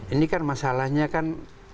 ini kan masalahnya kan